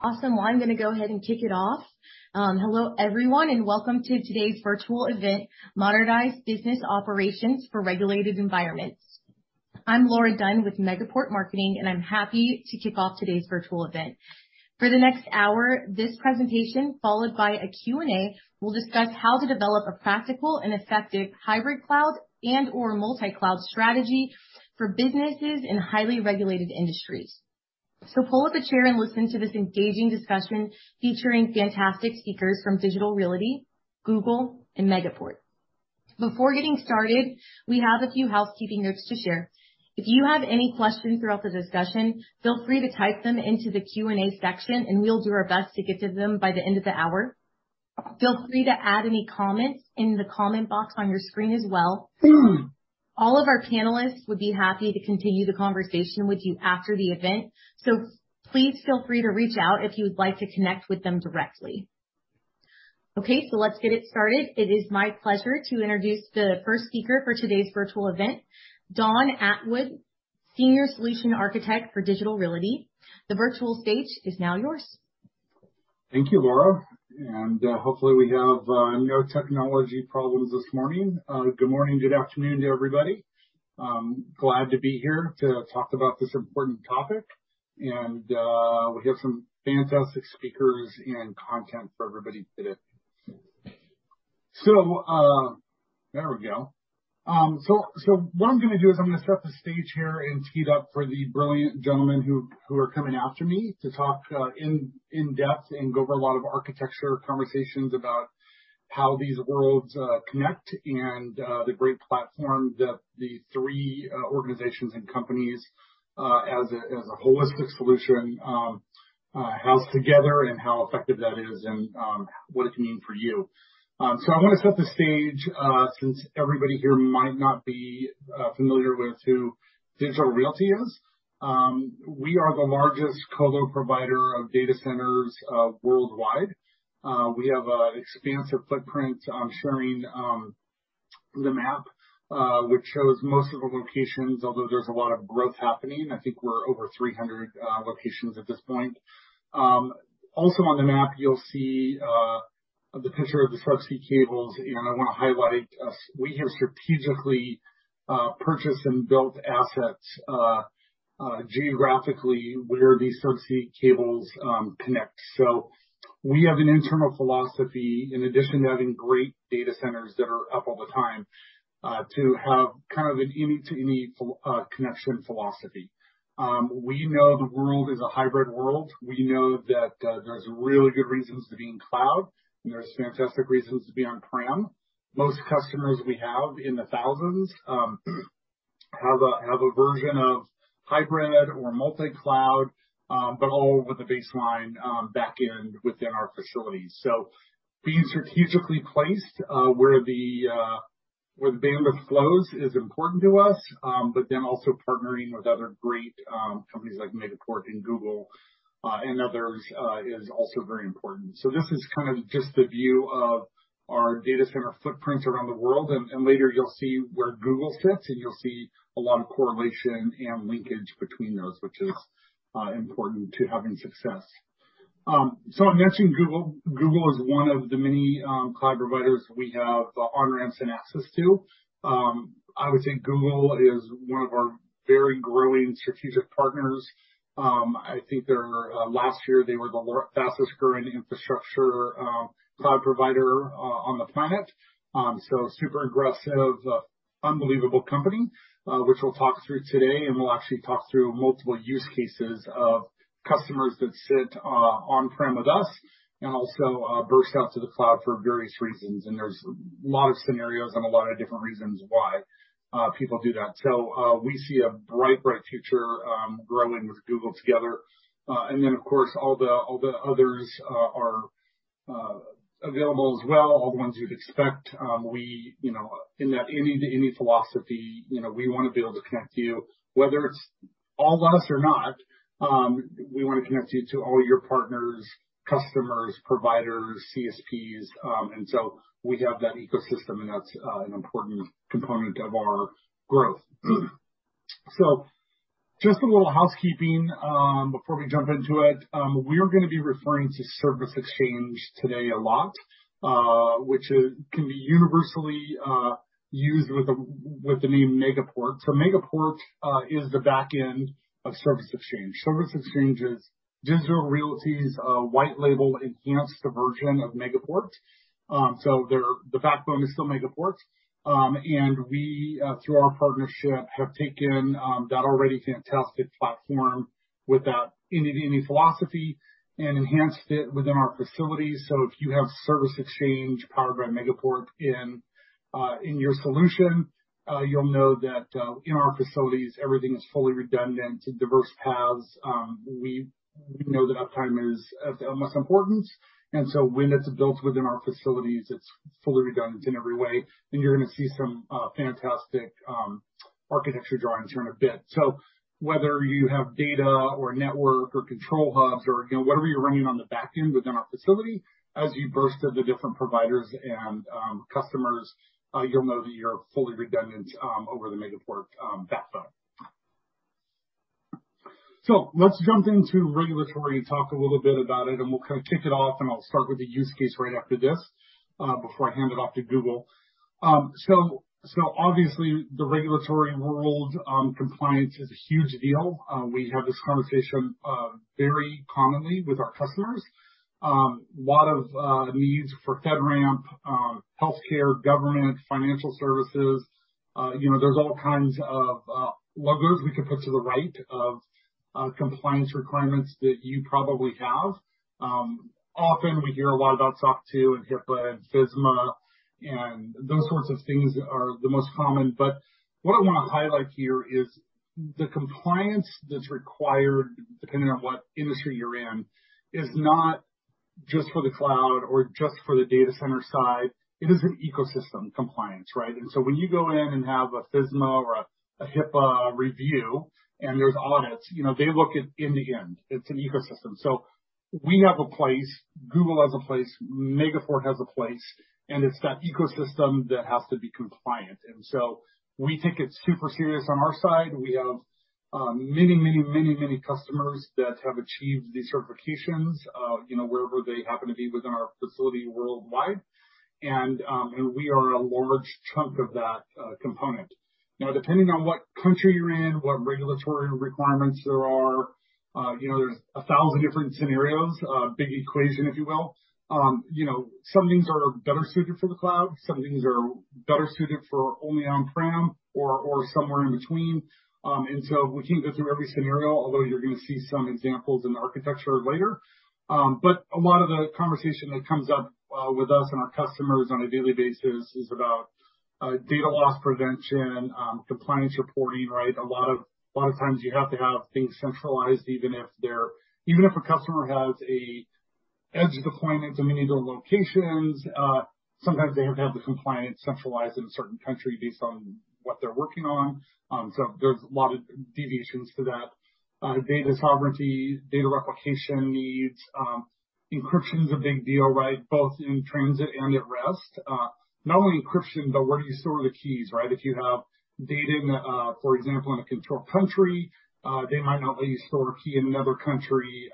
Awesome. Well, I'm going to go ahead and kick it off. Hello everyone, and welcome to today's virtual event, Modernize Business Operations for Regulated Environments. I'm Laura Dunn with Megaport marketing, and I'm happy to kick off today's virtual event. For the next one hour, this presentation, followed by a Q&A, will discuss how to develop a practical and effective hybrid cloud and/or multi-cloud strategy for businesses in highly regulated industries. Pull up a chair and listen to this engaging discussion featuring fantastic speakers from Digital Realty, Google, and Megaport. Before getting started, we have a few housekeeping notes to share. If you have any questions throughout the discussion, feel free to type them into the Q&A section, and we'll do our best to get to them by the end of the hour. Feel free to add any comments in the comment box on your screen as well. All of our panelists would be happy to continue the conversation with you after the event. Please feel free to reach out if you would like to connect with them directly. Okay, let's get it started. It is my pleasure to introduce the first speaker for today's virtual event, Don Atwood, Senior Solution Architect for Digital Realty. The virtual stage is now yours. Thank you, Laura. Hopefully we have no technology problems this morning. Good morning, good afternoon to everybody. I'm glad to be here to talk about this important topic. We have some fantastic speakers and content for everybody today. There we go. What I'm going to do is I'm going to set the stage here and tee it up for the brilliant gentlemen who are coming after me to talk in depth and go over a lot of architecture conversations about how these worlds connect and the great platform that the three organizations and companies as a holistic solution house together, and how effective that is and what it can mean for you. I want to set the stage, since everybody here might not be familiar with who Digital Realty is. We are the largest colocation provider of data centers worldwide. We have an expansive footprint. I'm sharing the map, which shows most of our locations, although there's a lot of growth happening. I think we're over 300 locations at this point. Also on the map, you'll see the picture of the subsea cables. I want to highlight, we have strategically purchased and built assets geographically where these subsea cables connect. We have an internal philosophy, in addition to having great data centers that are up all the time, to have an any-to-any connection philosophy. We know the world is a hybrid world. We know that there's really good reasons to be in cloud, there's fantastic reasons to be on-prem. Most customers we have, in the thousands, have a version of hybrid or multi-cloud, all with a baseline backend within our facilities. Being strategically placed where the bandwidth flows is important to us; also, partnering with other great companies like Megaport, and Google, and others, is also very important. This is just the view of our data center footprints around the world, and later you'll see where Google sits, and you'll see a lot of correlation and linkage between those, which is important to having success. I mentioned Google. Google is one of the many cloud providers we have on-ramps and access to. I would say Google is one of our very growing strategic partners. I think last year they were the fastest-growing infrastructure cloud provider on the planet. Super aggressive, unbelievable company, which we'll talk through today, and we'll actually talk through multiple use cases of customers that sit on-prem with us and also burst out to the cloud for various reasons, and there's a lot of scenarios and a lot of different reasons why people do that. So, we see a bright, bright future grinding with Google together. Of course, all the others are available as well, all the ones you'd expect. In that any-to-any philosophy, we want to be able to connect you, whether it's all of us or not. We want to connect you to all your partners, customers, providers, CSPs. We have that ecosystem, and that's an important component of our growth. Just a little housekeeping before we jump into it. We are going to be referring to Service Exchange today a lot, which can be universally used with the name Megaport. Megaport is the backend of Service Exchange. Service Exchange is Digital Realty's white-label enhanced version of Megaport. The backbone is still Megaport. We, through our partnership, have taken that already fantastic platform with that any-to-any philosophy and enhanced it within our facilities. If you have Service Exchange powered by Megaport in your solution, you'll know that in our facilities, everything is fully redundant, diverse paths. We know that uptime is of the utmost importance, and so when it's built within our facilities, it's fully redundant in every way. You're going to see some fantastic architecture drawings here in a bit. Whether you have data or network or control hubs or whatever you're running on the backend within our facility, as you burst into different providers and customers, you'll know that you're fully redundant over the Megaport backbone. Let's jump into regulatory and talk a little bit about it, and we'll kind of kick it off, and I'll start with a use case right after this, before I hand it off to Google. Obviously the regulatory world, compliance is a huge deal. We have this conversation very commonly with our customers. Lot of needs for FedRAMP, healthcare, government, financial services. There's all kinds of logos we could put to the right of compliance requirements that you probably have. Often we hear a lot about SOC 2 and HIPAA and FISMA, and those sorts of things are the most common. What I want to highlight here is the compliance that's required, depending on what industry you're in, is not just for the cloud or just for the data center side. It is an ecosystem compliance, right? When you go in and have a FISMA or a HIPAA review and there's audits, they look at end-to-end. It's an ecosystem. We have a place, Google has a place, Megaport has a place, and it's that ecosystem that has to be compliant. We take it super serious on our side. We have many customers that have achieved these certifications wherever they happen to be within our facility worldwide. We are a large chunk of that component. Now, depending on what country you're in, what regulatory requirements there are, there's a thousand different scenarios, a big equation, if you will. Some things are better suited for the cloud, some things are better suited for only on-prem or somewhere in between. We can't go through every scenario, although you're going to see some examples in the architecture later. A lot of the conversation that comes up with us and our customers on a daily basis is about data loss prevention, compliance reporting, right? A lot of times you have to have things centralized, even if a customer has an edge deployment in many of their locations, sometimes they have to have the compliance centralized in a certain country based on what they're working on. There's a lot of deviations to that. Data sovereignty, data replication needs. Encryption's a big deal, right? Both in transit and at rest. Not only encryption, but where do you store the keys, right? If you have data, for example, in a controlled country, they might not let you store a key in another country.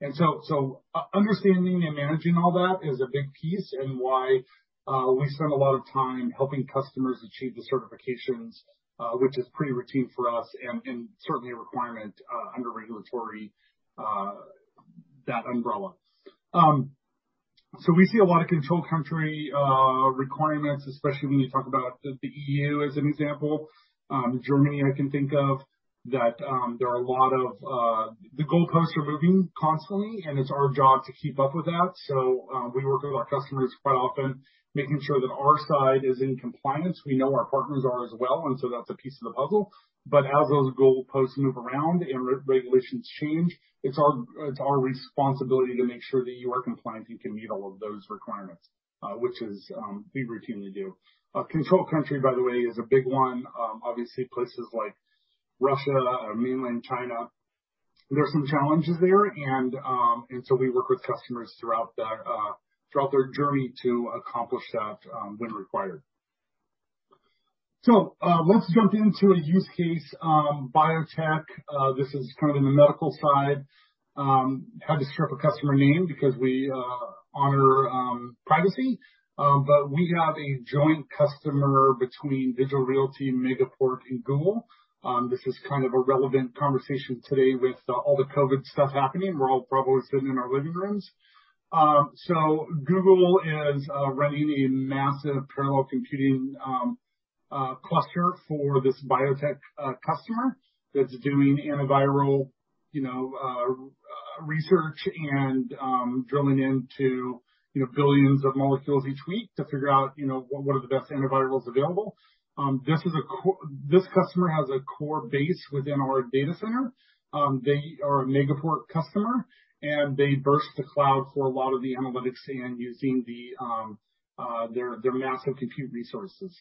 Understanding and managing all that is a big piece, and why we spend a lot of time helping customers achieve the certifications, which is pretty routine for us and certainly a requirement under regulatory that umbrella. We see a lot of controlled country requirements, especially when you talk about the EU as an example. Germany, I can think of, the goalposts are moving constantly, and it's our job to keep up with that. We work with our customers quite often, making sure that our side is in compliance. We know our partners are as well, and so that's a piece of the puzzle. As those goalposts move around and regulations change, it's our responsibility to make sure that you are compliant and can meet all of those requirements, which we routinely do. A controlled country, by the way, is a big one. Obviously places like Russia or mainland China, there's some challenges there. We work with customers throughout their journey to accomplish that when required. Let's jump into a use case, Biotech. This is in the medical side. Had to strip a customer name because we honor privacy. We have a joint customer between Digital Realty, Megaport, and Google. This is kind of a relevant conversation today with all the COVID stuff happening. We're all probably sitting in our living rooms. Google is running a massive parallel computing cluster for this biotech customer that's doing antiviral research and drilling into billions of molecules each week to figure out what are the best antivirals available. This customer has a core base within our data center. They are a Megaport customer, and they burst to cloud for a lot of the analytics and using their massive compute resources.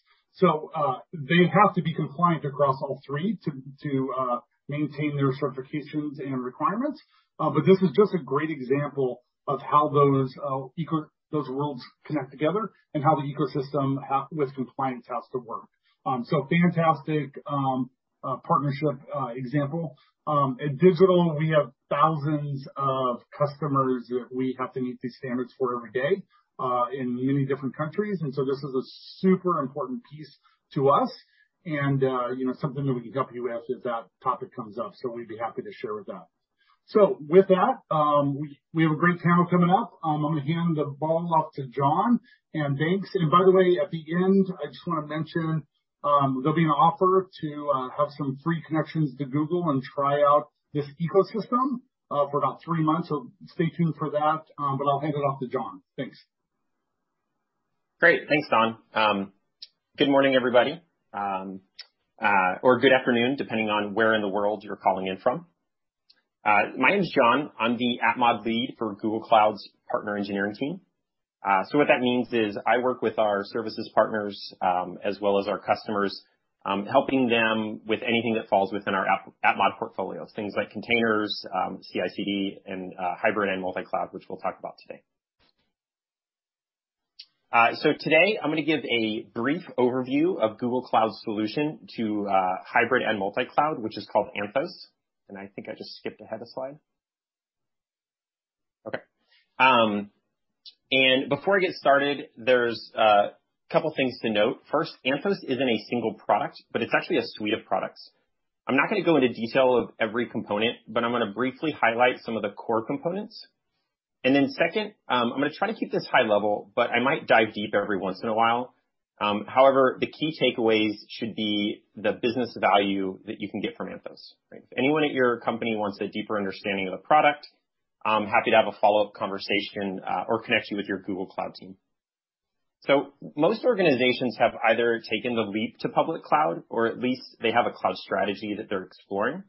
They have to be compliant across all three to maintain their certifications and requirements. This is just a great example of how those worlds connect together and how the ecosystem with compliance has to work. Fantastic partnership example. At Digital, we have thousands of customers that we have to meet these standards for every day, in many different countries. This is a super important piece to us and something that we can help you with as that topic comes up. We'd be happy to share with that. With that, we have a great panel coming up. I'm going to hand the ball off to John, and thanks. By the way, at the end, I just want to mention, there'll be an offer to have some free connections to Google and try out this ecosystem for about three months. Stay tuned for that. I'll hand it off to John. Thanks. Great. Thanks, Don. Good morning, everybody. Or good afternoon, depending on where in the world you're calling in from. My name's John. I'm the Application Modernization Lead for Google Cloud's Partner Engineering team. What that means is I work with our services partners, as well as our customers, helping them with anything that falls within our Application Modernization portfolio. Things like containers, CI/CD, and hybrid and multi-cloud, which we'll talk about today. Today, I'm going to give a brief overview of Google Cloud's solution to hybrid and multi-cloud, which is called Anthos. I think I just skipped ahead a slide. Okay. Before I get started, there's a couple of things to note. First, Anthos isn't a single product, but it's actually a suite of products. I'm not going to go into detail of every component, but I'm going to briefly highlight some of the core components. Second, I'm going to try to keep this high level, but I might dive deep every once in a while. However, the key takeaways should be the business value that you can get from Anthos. If anyone at your company wants a deeper understanding of the product, I'm happy to have a follow-up conversation or connect with your Google Cloud team. Most organizations have either taken the leap to public cloud, or at least they have a cloud strategy that they're exploring.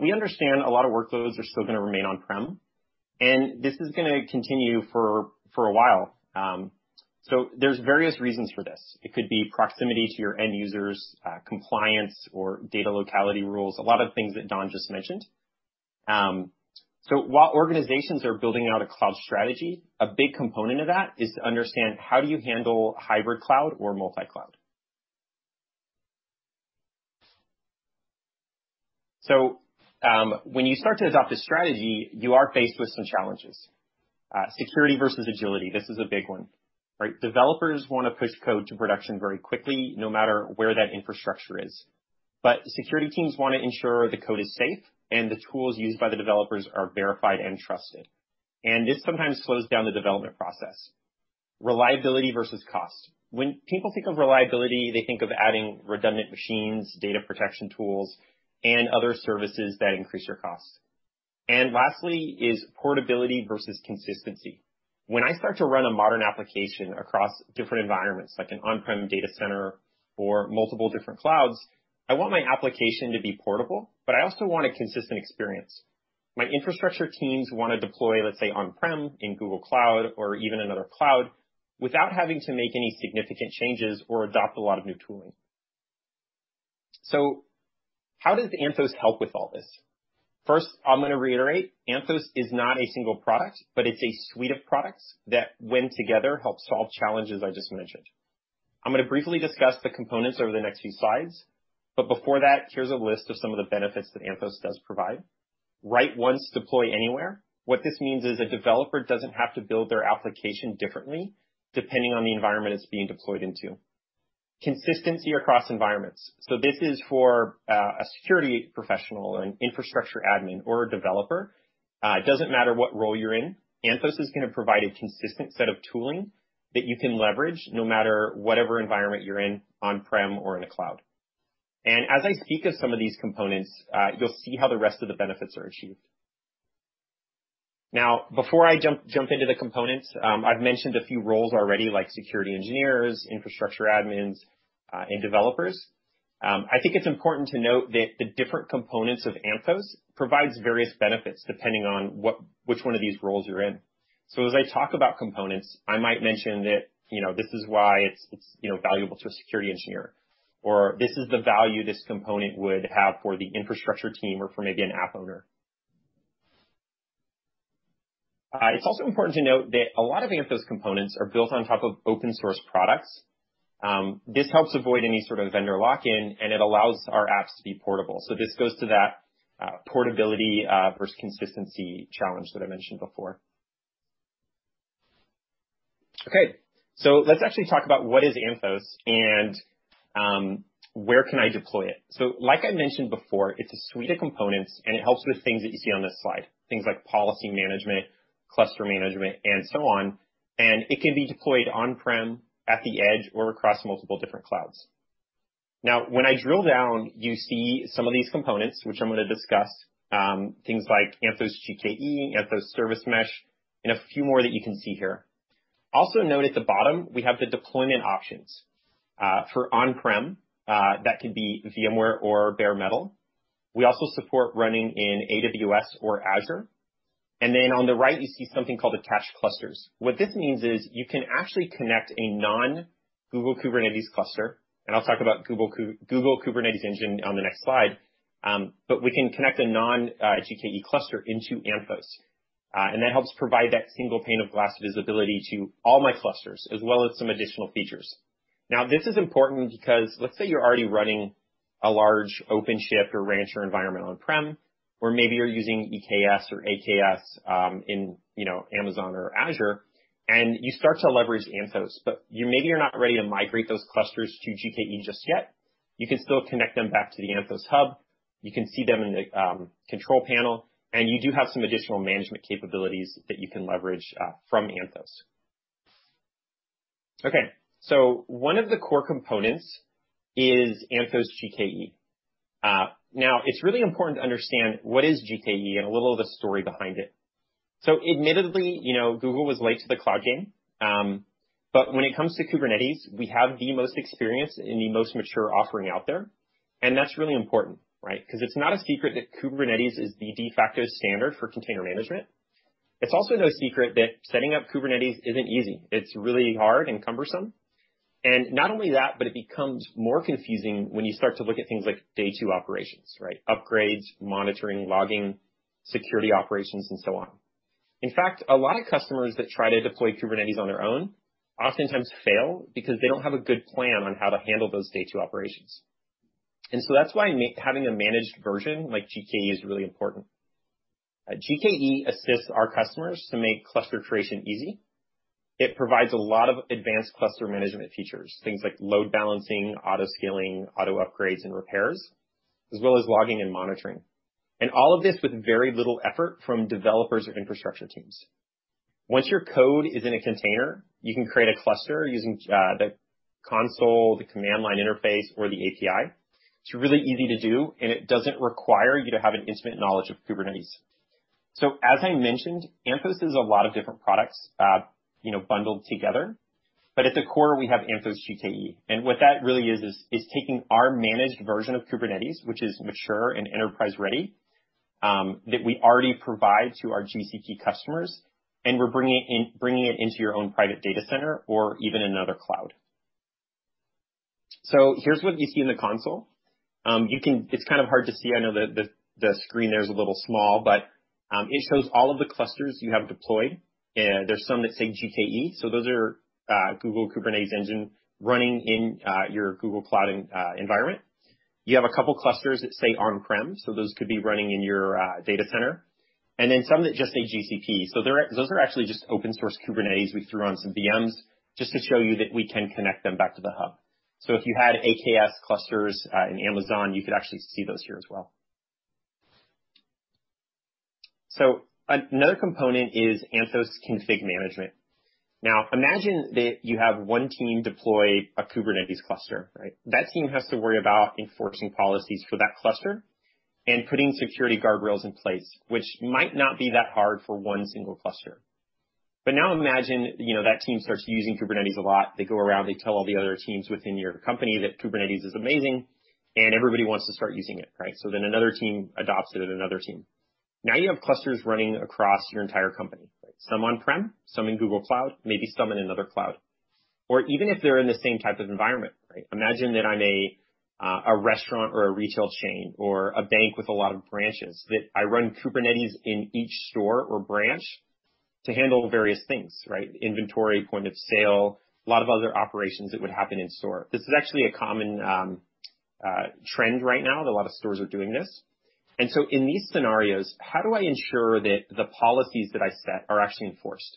We understand a lot of workloads are still going to remain on-prem, and this is going to continue for a while. There's various reasons for this. It could be proximity to your end users, compliance or data locality rules, a lot of things that Don just mentioned. While organizations are building out a cloud strategy, a big component of that is to understand how do you handle hybrid cloud or multi-cloud. When you start to adopt a strategy, you are faced with some challenges. Security versus agility. This is a big one. Developers want to push code to production very quickly, no matter where that infrastructure is. Security teams want to ensure the code is safe and the tools used by the developers are verified and trusted. This sometimes slows down the development process. Reliability versus cost. When people think of reliability, they think of adding redundant machines, data protection tools, and other services that increase your cost. Lastly is portability versus consistency. When I start to run a modern application across different environments, like an on-prem data center or multiple different clouds, I want my application to be portable, but I also want a consistent experience. My infrastructure teams want to deploy, let's say, on-prem, in Google Cloud, or even another cloud, without having to make any significant changes or adopt a lot of new tooling. How does Anthos help with all this? First, I'm going to reiterate, Anthos is not a single product, but it's a suite of products that, when together, help solve challenges I just mentioned. I'm going to briefly discuss the components over the next few slides, but before that, here's a list of some of the benefits that Anthos does provide. Write once, deploy anywhere. What this means is a developer doesn't have to build their application differently depending on the environment it's being deployed into. Consistency across environments. This is for a security professional or an infrastructure admin or a developer. It doesn't matter what role you're in. Anthos is going to provide a consistent set of tooling that you can leverage no matter whatever environment you're in, on-prem or in the cloud. As I speak of some of these components, you'll see how the rest of the benefits are achieved. Before I jump into the components, I've mentioned a few roles already, like security engineers, infrastructure admins, and developers. I think it's important to note that the different components of Anthos provides various benefits depending on which one of these roles you're in. As I talk about components, I might mention that this is why it's valuable to a security engineer, or this is the value this component would have for the infrastructure team or for maybe an app owner. It's also important to note that a lot of Anthos components are built on top of open source products. This helps avoid any sort of vendor lock-in, and it allows our apps to be portable. This goes to that portability versus consistency challenge that I mentioned before. Okay. Let's actually talk about what is Anthos and where can I deploy it? Like I mentioned before, it's a suite of components, and it helps with things that you see on this slide. Things like policy management, cluster management, and so on, and it can be deployed on-prem, at the edge, or across multiple different clouds. When I drill down, you see some of these components, which I'm going to discuss. Things like Anthos GKE, Anthos Service Mesh, and a few more that you can see here. Note at the bottom, we have the deployment options. For on-prem, that could be VMware or bare metal. We also support running in AWS or Azure. Then on the right, you see something called Anthos attached clusters. This means is you can actually connect a non-Google Kubernetes cluster, and I'll talk about Google Kubernetes Engine on the next slide, but we can connect a non-GKE cluster into Anthos. That helps provide that single pane of glass visibility to all my clusters, as well as some additional features. This is important because let's say you're already running a large Red Hat OpenShift or SUSE Rancher environment on-prem, or maybe you're using EKS or AKS in Amazon or Azure, and you start to leverage Anthos, but maybe you're not ready to migrate those clusters to GKE just yet. You can still connect them back to the Anthos hub. You can see them in the control panel, you do have some additional management capabilities that you can leverage from Anthos. Okay. One of the core components is Anthos GKE. It's really important to understand what is GKE and a little of the story behind it. Admittedly, Google was late to the cloud game. When it comes to Kubernetes, we have the most experience and the most mature offering out there. That's really important. It's not a secret that Kubernetes is the de facto standard for container management. It's also no secret that setting up Kubernetes isn't easy. It's really hard and cumbersome. Not only that, but it becomes more confusing when you start to look at things like day two operations, right? Upgrades, monitoring, logging, security operations, and so on. In fact, a lot of customers that try to deploy Kubernetes on their own oftentimes fail because they don't have a good plan on how to handle those day two operations. That's why having a managed version like GKE is really important. GKE assists our customers to make cluster creation easy. It provides a lot of advanced cluster management features, things like load balancing, auto-scaling, auto-upgrades, and repairs, as well as logging and monitoring. All of this with very little effort from developers or infrastructure teams. Once your code is in a container, you can create a cluster using the console, the Command Line Interface, or the API. It's really easy to do, and it doesn't require you to have an intimate knowledge of Kubernetes. As I mentioned, Anthos is a lot of different products bundled together. At the core, we have Anthos GKE. What that really is taking our managed version of Kubernetes, which is mature and enterprise-ready, that we already provide to our GCP customers, and we're bringing it into your own private data center or even another cloud. Here's what you see in the console. It's kind of hard to see. I know the screen there is a little small, but it shows all of the clusters you have deployed. There's some that say GKE, so those are Google Kubernetes Engine running in your Google Cloud environment. You have a couple clusters that say on-prem, so those could be running in your data center. Some that just say GCP. Those are actually just open source Kubernetes we threw on some VMs just to show you that we can connect them back to the hub. If you had AKS clusters in Amazon, you could actually see those here as well. Another component is Anthos Config Management. Imagine that you have one team deploy a Kubernetes cluster. That team has to worry about enforcing policies for that cluster and putting security guardrails in place, which might not be that hard for one single cluster. Imagine that team starts using Kubernetes a lot. They go around, they tell all the other teams within your company that Kubernetes is amazing, and everybody wants to start using it. Another team adopts it, and another team. You have clusters running across your entire company. Some on-prem, some in Google Cloud, maybe some in another cloud. Even if they're in the same type of environment. Imagine that I'm a restaurant, or a retail chain, or a bank with a lot of branches, that I run Kubernetes in each store or branch to handle various things. Inventory, point of sale, a lot of other operations that would happen in store. This is actually a common trend right now, that a lot of stores are doing this. In these scenarios, how do I ensure that the policies that I set are actually enforced?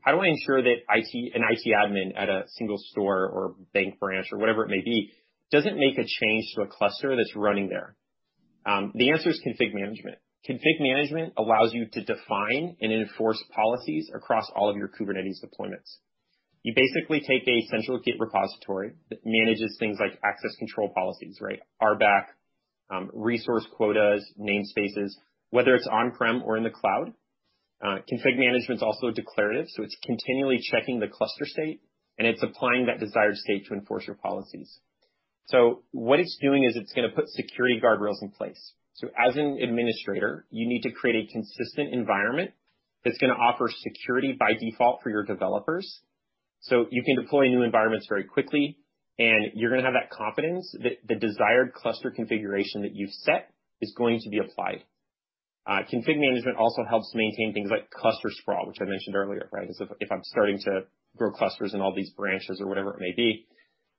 How do I ensure that an IT admin at a single store or bank branch or whatever it may be, doesn't make a change to a cluster that's running there? The answer is Anthos Config Management. Anthos Config Management allows you to define and enforce policies across all of your Kubernetes deployments. You basically take a central Git repository that manages things like access control policies. RBAC, resource quotas, namespaces, whether it's on-prem or in the cloud. Anthos Config Management's also declarative, so it's continually checking the cluster state, and it's applying that desired state to enforce your policies. What it's doing is it's going to put security guardrails in place. As an administrator, you need to create a consistent environment that's going to offer security by default for your developers. You can deploy new environments very quickly, and you're going to have that confidence that the desired cluster configuration that you've set is going to be applied. Anthos Config Management also helps to maintain things like cluster sprawl, which I mentioned earlier. If I'm starting to grow clusters in all these branches or whatever it may be.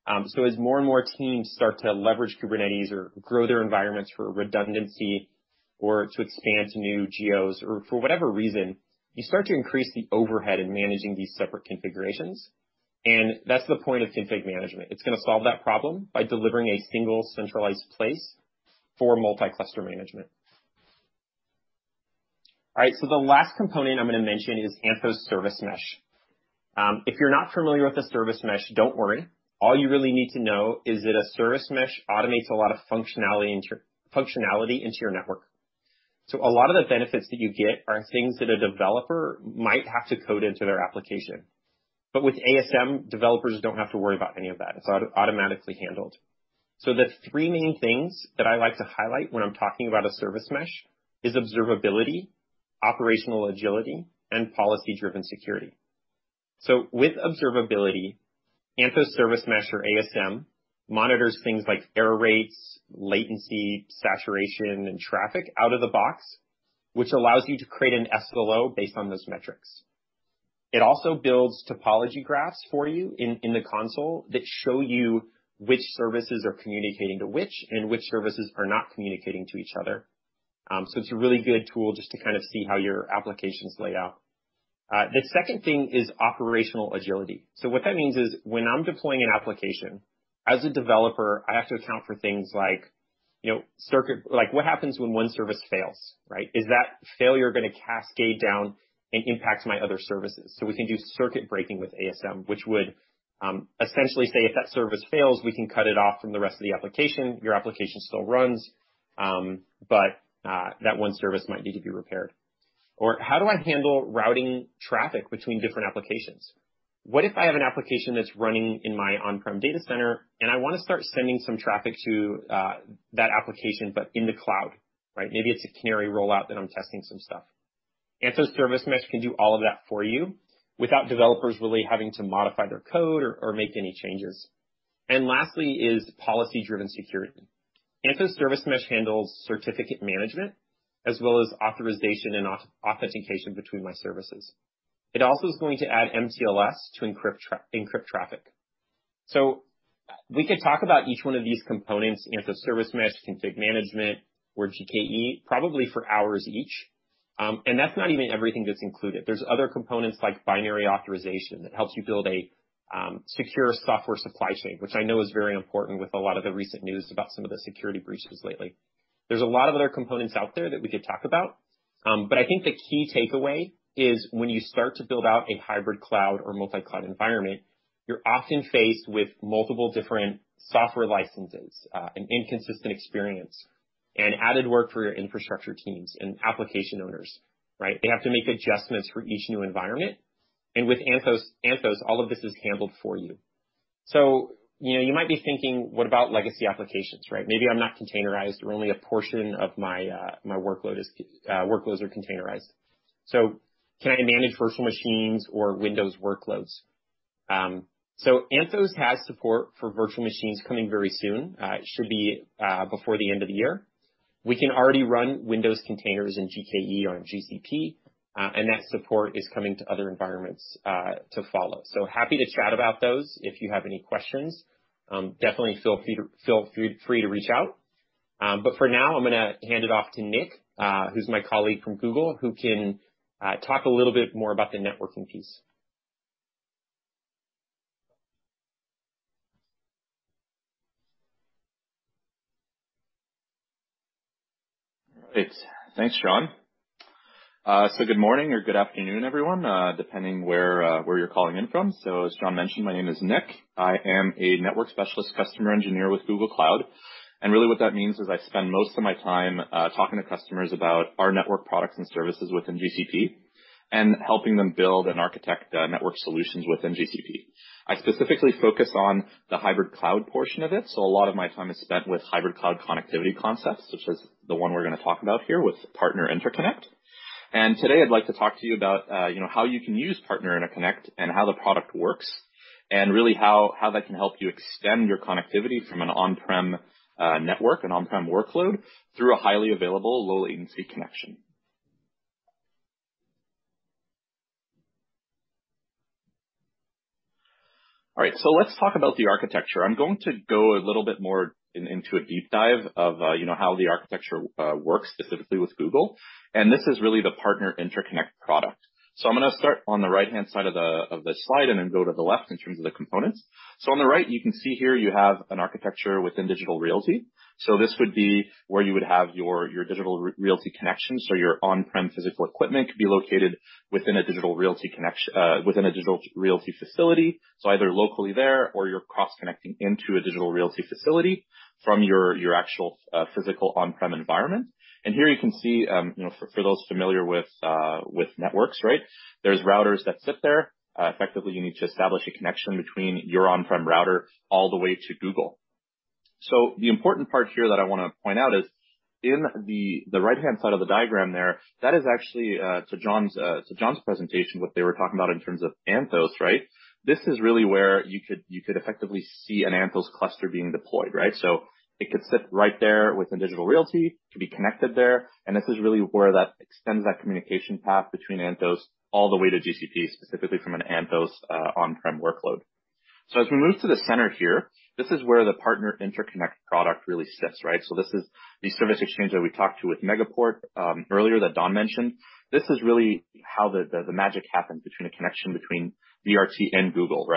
As more and more teams start to leverage Kubernetes or grow their environments for redundancy or to expand to new geos or for whatever reason, you start to increase the overhead in managing these separate configurations, and that's the point of config management. It's going to solve that problem by delivering a single centralized place for multi-cluster management. The last component I'm going to mention is Anthos Service Mesh. If you're not familiar with the service mesh, don't worry. All you really need to know is that a service mesh automates a lot of functionality into your network. A lot of the benefits that you get are things that a developer might have to code into their application. With ASM, developers don't have to worry about any of that. It's automatically handled. The three main things that I like to highlight when I'm talking about a service mesh is observability, operational agility, and policy-driven security. With observability, Anthos Service Mesh or ASM monitors things like error rates, latency, saturation, and traffic out of the box, which allows you to create an SLO based on those metrics. It also builds topology graphs for you in the console that show you which services are communicating to which and which services are not communicating to each other. It's a really good tool just to kind of see how your applications lay out. The second thing is operational agility. What that means is, when I'm deploying an application, as a developer, I have to account for things like what happens when one service fails. Is that failure going to cascade down and impact my other services? We can do circuit breaking with ASM, which would essentially say if that service fails, we can cut it off from the rest of the application. Your application still runs, but that one service might need to be repaired. How do I handle routing traffic between different applications? What if I have an application that's running in my on-prem data center and I want to start sending some traffic to that application, but in the cloud? Maybe it's a canary rollout that I'm testing some stuff. Anthos Service Mesh can do all of that for you without developers really having to modify their code or make any changes. Lastly is policy-driven security. Anthos Service Mesh handles certificate management as well as authorization and authentication between my services. It also is going to add mTLS to encrypt traffic. We could talk about each one of these components, Anthos Service Mesh, Anthos Config Management, or Anthos GKE, probably for hours each. That's not even everything that's included. There's other components like Binary Authorization API that helps you build a secure software supply chain, which I know is very important with a lot of the recent news about some of the security breaches lately. There's a lot of other components out there that we could talk about, I think the key takeaway is when you start to build out a hybrid cloud or multi-cloud environment, you're often faced with multiple different software licenses, an inconsistent experience, and added work for your infrastructure teams and application owners, right? They have to make adjustments for each new environment. With Anthos, all of this is handled for you. You might be thinking, what about legacy applications, right? Maybe I'm not containerized, or only a portion of my workloads are containerized. Can I manage virtual machines or Windows workloads? Anthos has support for virtual machines coming very soon. It should be before the end of the year. We can already run Windows containers in GKE or in GCP, and that support is coming to other environments to follow. Happy to chat about those if you have any questions. Definitely feel free to reach out. For now, I'm going to hand it off to Nick, who's my colleague from Google, who can talk a little bit more about the networking piece. Great. Thanks, John. Good morning or good afternoon, everyone, depending where you're calling in from. As John mentioned, my name is Nick. I am a Network Specialist Customer Engineer with Google Cloud. Really, what that means is I spend most of my time talking to customers about our network products and services within GCP and helping them build and architect network solutions within GCP. I specifically focus on the hybrid cloud portion of it, a lot of my time is spent with hybrid cloud connectivity concepts, such as the one we're going to talk about here with Partner Interconnect. Today, I'd like to talk to you about how you can use Partner Interconnect and how the product works, and really how that can help you extend your connectivity from an on-prem network, an on-prem workload, through a highly available, low latency connection. All right. Let's talk about the architecture. I'm going to go a little bit more into a deep dive of how the architecture works specifically with Google, and this is really the Partner Interconnect product. I'm going to start on the right-hand side of the slide and then go to the left in terms of the components. On the right, you can see here you have an architecture within Digital Realty. This would be where you would have your Digital Realty connections, so your on-prem physical equipment could be located within a Digital Realty facility, so either locally there or you're cross-connecting into a Digital Realty facility from your actual physical on-prem environment. Here you can see, for those familiar with networks, there's routers that sit there. Effectively, you need to establish a connection between your on-prem router all the way to Google. The important part here that I want to point out is in the right-hand side of the diagram there, that is actually, to John's presentation, what they were talking about in terms of Anthos, right? This is really where you could effectively see an Anthos cluster being deployed. It could sit right there within Digital Realty, could be connected there, and this is really where that extends that communication path between Anthos all the way to GCP, specifically from an Anthos on-prem workload. As we move to the center here, this is where the Partner Interconnect product really sits. This is the Service Exchange that we talked to with Megaport, earlier that Don mentioned. This is really how the magic happens between a connection between DRT and Google.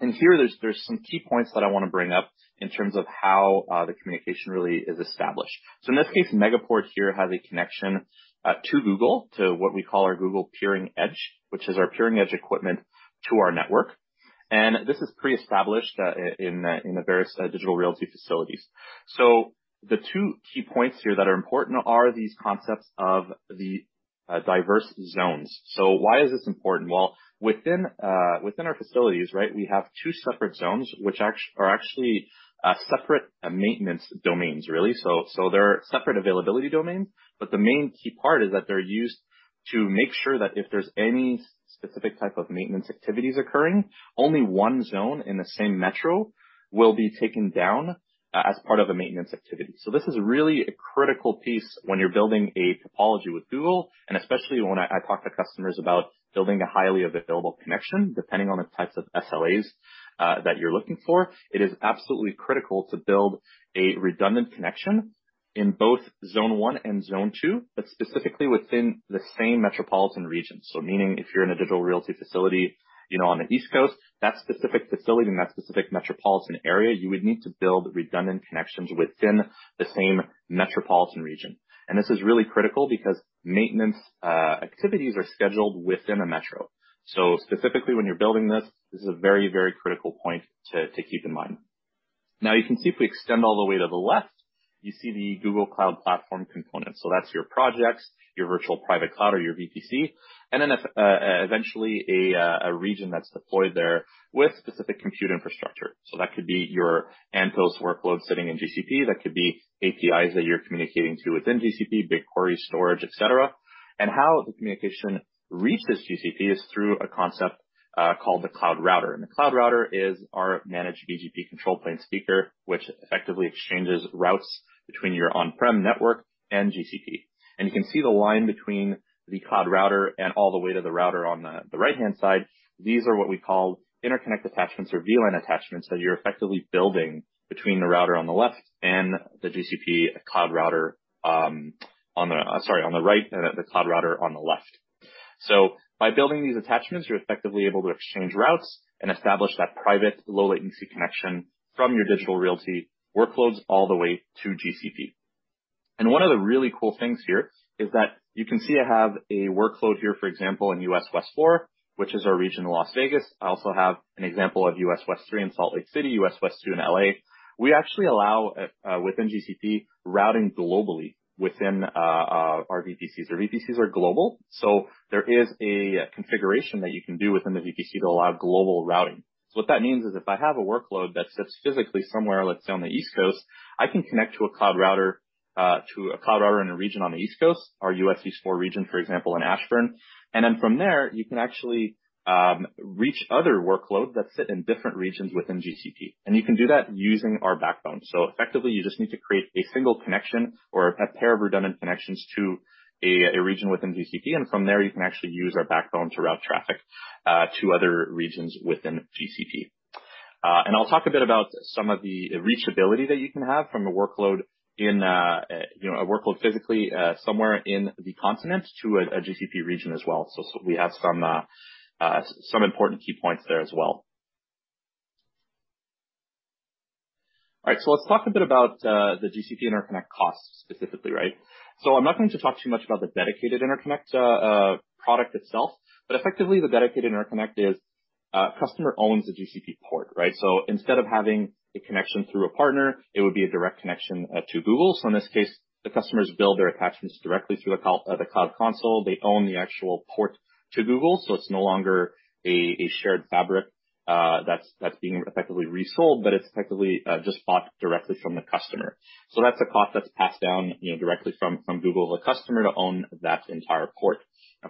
Here, there's some key points that I want to bring up in terms of how the communication really is established. In this case, Megaport here has a connection to Google, to what we call our Google Edge Network, which is our Peering Edge equipment to our network. This is pre-established in the various Digital Realty facilities. The two key points here that are important are these concepts of the diverse zones. Why is this important? Well, within our facilities, we have two separate zones, which are actually separate maintenance domains, really. They're separate availability domains, but the main key part is that they're used to make sure that if there's any specific type of maintenance activities occurring, only one zone in the same metro will be taken down as part of a maintenance activity. This is really a critical piece when you're building a topology with Google, and especially when I talk to customers about building a highly available connection, depending on the types of SLAs that you're looking for. It is absolutely critical to build a redundant connection in both Zone 1 and Zone 2, but specifically within the same metropolitan region. Meaning if you're in a Digital Realty facility on the East Coast, that specific facility and that specific metropolitan area, you would need to build redundant connections within the same metropolitan region. This is really critical because maintenance activities are scheduled within a metro. Specifically when you're building this is a very critical point to keep in mind. Now, you can see if we extend all the way to the left, you see the Google Cloud Platform component. That's your projects, your Virtual Private Cloud or your VPC, and then eventually a region that's deployed there with specific compute infrastructure. That could be your Anthos workload sitting in GCP. That could be APIs that you're communicating to within GCP, BigQuery storage, et cetera. How the communication reaches GCP is through a concept called the Cloud Router. The Cloud Router is our managed BGP control plane speaker, which effectively exchanges routes between your on-prem network and GCP. You can see the line between the Cloud Router and all the way to the router on the right-hand side. These are what we call interconnectAttachments or VLAN attachments that you're effectively building between the router on the left and the GCP Cloud Router on the right ,and the Cloud Router on the left. By building these attachments, you're effectively able to exchange routes and establish that private low-latency connection from your Digital Realty workloads all the way to GCP. One of the really cool things here is that you can see I have a workload here, for example, in US-WEST4, which is our region in Las Vegas. I also have an example of US-WEST3 in Salt Lake City, US-WEST2 in L.A. We actually allow, within GCP, routing globally within our VPCs. Our VPCs are global, so there is a configuration that you can do within the VPC to allow global routing. What that means is if I have a workload that sits physically somewhere, let's say on the East Coast, I can connect to a Cloud Router in a region on the East Coast, our US-EAST4 region, for example, in Ashburn. Then from there, you can actually reach other workloads that sit in different regions within GCP. You can do that using our backbone. Effectively, you just need to create a single connection or a pair of redundant connections to a region within GCP, and from there, you can actually use our backbone to route traffic to other regions within GCP. I'll talk a bit about some of the reachability that you can have from a workload physically somewhere in the continent to a GCP region as well. We have some important key points there as well. All right. Let's talk a bit about the GCP interconnect costs specifically, right? I'm not going to talk too much about the dedicated interconnect product itself, but effectively, the dedicated interconnect is a customer owns the GCP port, right? Instead of having a connection through a partner, it would be a direct connection to Google. In this case, the customers build their attachments directly through the Google Cloud Console. They own the actual port to Google, so it's no longer a shared fabric that's being effectively resold, but it's effectively just bought directly from the customer. That's a cost that's passed down directly from Google to the customer to own that entire port.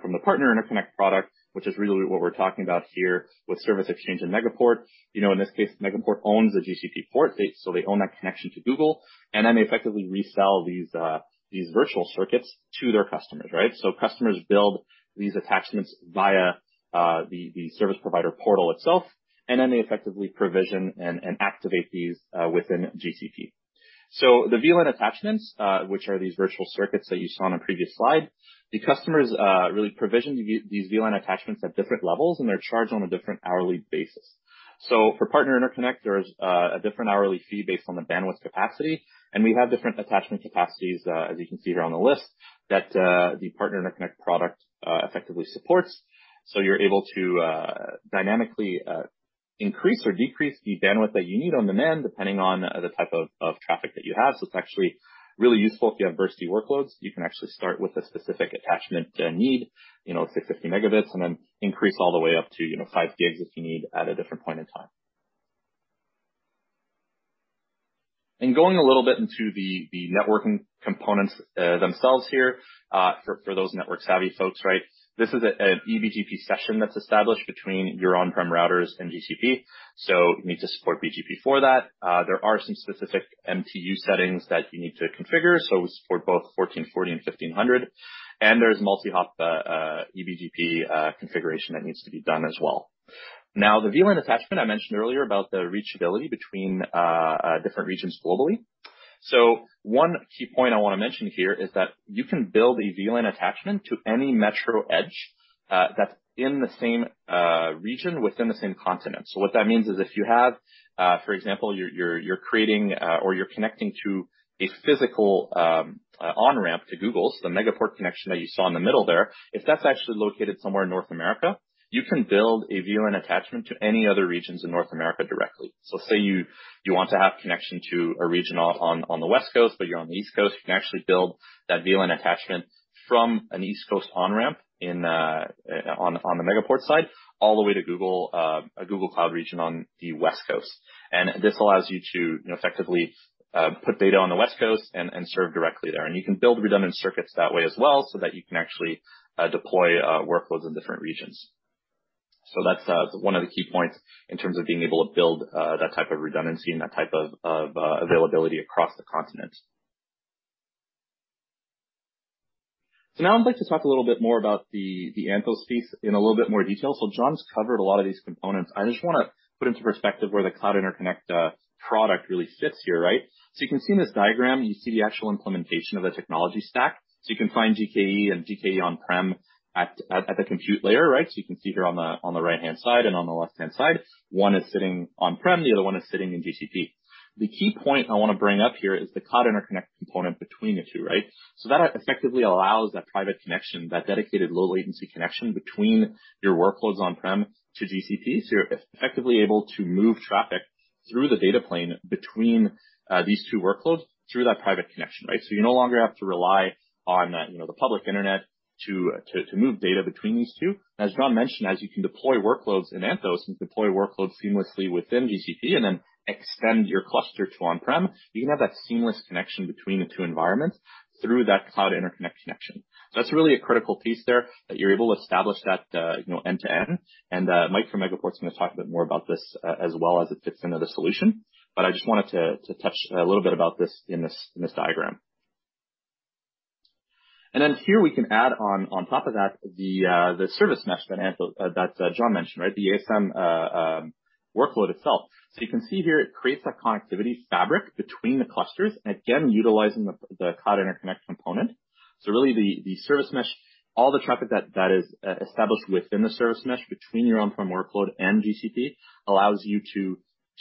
From the Partner Interconnect product, which is really what we're talking about here with Service Exchange and Megaport. In this case, Megaport owns the GCP port, so they own that connection to Google, and then they effectively resell these virtual circuits to their customers, right? Customers build these attachments via the service provider portal itself, and then they effectively provision and activate these within GCP. The VLAN attachments, which are these virtual circuits that you saw on a previous slide, the customers really provision these VLAN attachments at different levels, and they're charged on a different hourly basis. For Partner Interconnect, there's a different hourly fee based on the bandwidth capacity, and we have different attachment capacities, as you can see here on the list, that the Partner Interconnect product effectively supports. You're able to dynamically increase or decrease the bandwidth that you need on demand, depending on the type of traffic that you have. It's actually really useful if you have bursty workloads. You can actually start with a specific attachment need, 650 Mbps, and then increase all the way up to 5 Gb if you need at a different point in time. Going a little bit into the networking components themselves here, for those network-savvy folks, right? This is an eBGP session that's established between your on-prem routers and GCP. You need to support BGP for that. There are some specific MTU settings that you need to configure. We support both 1440 bytes and 1500 bytes, and there's multi-hop eBGP configuration that needs to be done as well. The VLAN attachment I mentioned earlier about the reachability between different regions globally. One key point I want to mention here is that you can build a VLAN attachment to any metro edge that's in the same region within the same continent. What that means is if you have, for example, you're creating, or you're connecting to a physical on-ramp to Google, the Megaport connection that you saw in the middle there. If that's actually located somewhere in North America, you can build a VLAN attachment to any other regions in North America directly. Say you want to have connection to a region on the West Coast, but you're on the East Coast, you can actually build that VLAN attachment from an East Coast on-ramp on the Megaport side, all the way to a Google Cloud region on the West Coast. This allows you to effectively put data on the West Coast and serve directly there. You can build redundant circuits that way as well, so that you can actually deploy workloads in different regions. That's one of the key points in terms of being able to build that type of redundancy and that type of availability across the continent. Now I'd like to talk a little bit more about the Anthos piece in a little bit more detail. John's covered a lot of these components. I just want to put into perspective where the Cloud Interconnect product really sits here, right? You can see in this diagram, you see the actual implementation of the technology stack. You can find GKE and GKE on-prem at the compute layer, right? You can see here on the right-hand side and on the left-hand side, one is sitting on-prem, the other one is sitting in GCP. The key point I want to bring up here is the Cloud Interconnect component between the two, right? That effectively allows that private connection, that dedicated low-latency connection between your workloads on-prem to GCP. You're effectively able to move traffic through the data plane between these two workloads through that private connection. You no longer have to rely on the public internet to move data between these two. As John mentioned, as you can deploy workloads in Anthos and deploy workloads seamlessly within GCP and then extend your cluster to on-prem, you can have that seamless connection between the two environments through that Cloud Interconnect connection. That's really a critical piece there, that you're able to establish that end-to-end. Mike from Megaport is going to talk a bit more about this as well as it fits into the solution. I just wanted to touch a little bit about this in this diagram. Here we can add on top of that, the Anthos Service Mesh that John mentioned, the ASM workload itself. You can see here it creates that connectivity fabric between the clusters, again, utilizing the Cloud Interconnect component. Really, the Anthos Service Mesh, all the traffic that is established within the Anthos Service Mesh between your on-prem workload and GCP allows you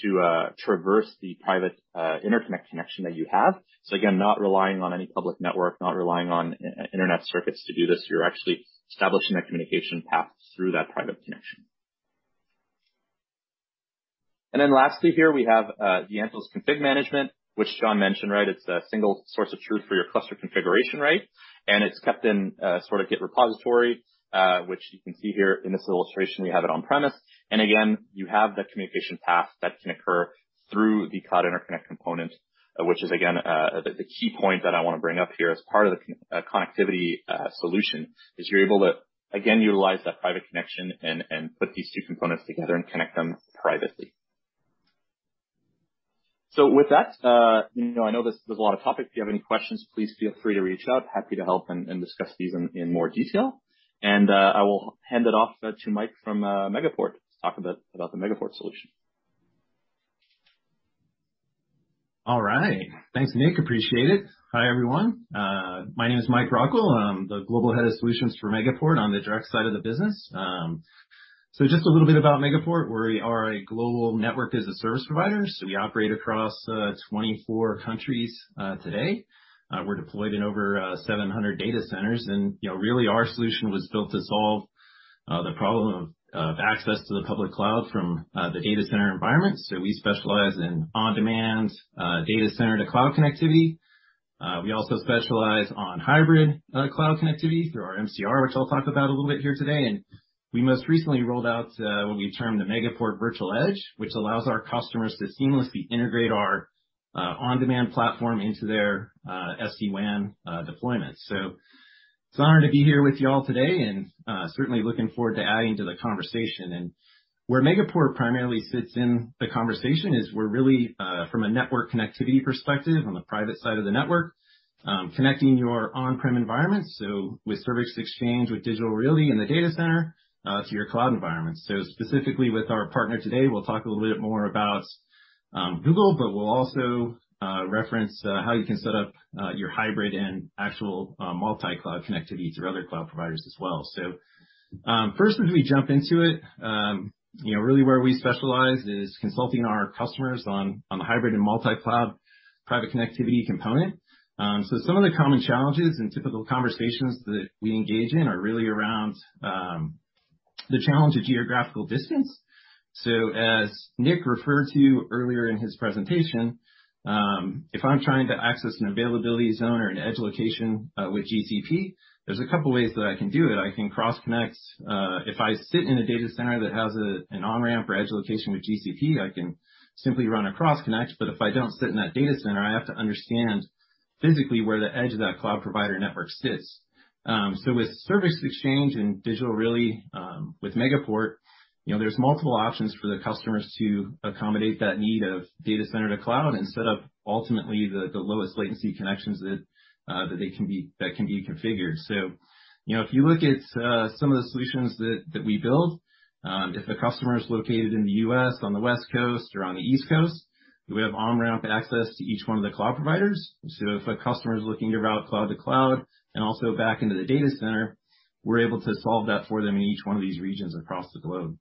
to traverse the private interconnect connection that you have. Again, not relying on any public network, not relying on internet circuits to do this. You're actually establishing that communication path through that private connection. Lastly, here we have the Anthos Config Management, which John mentioned. It's the single source of truth for your cluster configuration, right? It's kept in a sort of Git repository, which you can see here in this illustration, we have it on-premise. Again, you have the communication path that can occur through the Cloud Interconnect component, which is again, the key point that I want to bring up here as part of the connectivity solution, is you're able to, again, utilize that private connection and put these two components together and connect them privately. With that, I know there's a lot of topics. If you have any questions, please feel free to reach out. Happy to help and discuss these in more detail. I will hand it off to Mike from Megaport to talk a bit about the Megaport solution. All right. Thanks, Nick. Appreciate it. Hi, everyone. My name is Mike Rockwell. I'm the Global Head of Solutions for Megaport on the direct side of the business. Just a little bit about Megaport. We are a global network as a service provider, so we operate across 24 countries today. We're deployed in over 700 data centers. Really our solution was built to solve the problem of access to the public cloud from the data center environment. We specialize in on-demand data center to cloud connectivity. We also specialize on hybrid cloud connectivity through our MCR, which I'll talk about a little bit here today. We most recently rolled out what we termed the Megaport Virtual Edge, which allows our customers to seamlessly integrate our on-demand platform into their SD-WAN deployment. I'm honored to be here with you all today and certainly looking forward to adding to the conversation. Where Megaport primarily sits in the conversation is we're really, from a network connectivity perspective on the private side of the network, connecting your on-prem environment, with Service Exchange, with Digital Realty in the data center, to your cloud environment. Specifically with our partner today, we'll talk a little bit more about Google, but we'll also reference how you can set up your hybrid and actual multi-cloud connectivity through other cloud providers as well. First, before we jump into it, really where we specialize is consulting our customers on the hybrid and multi-cloud private connectivity component. Some of the common challenges and typical conversations that we engage in are really around the challenge of geographical distance. As Nick referred to earlier in his presentation, if I'm trying to access an Availability Zone or an edge location with GCP, there's a couple ways that I can do it. I can cross-connect. If I sit in a data center that has an on-ramp or edge location with GCP, I can simply run a cross-connect, but if I don't sit in that data center, I have to understand physically where the edge of that cloud provider network sits. With Service Exchange and Digital Realty, with Megaport, there's multiple options for the customers to accommodate that need of data center to cloud and set up ultimately the lowest latency connections that can be configured. If you look at some of the solutions that we build, if a customer is located in the U.S. on the West Coast or on the East Coast, we have on-ramp access to each one of the cloud providers. If a customer is looking to route cloud to cloud and also back into the data center, we're able to solve that for them in each one of these regions across the globe.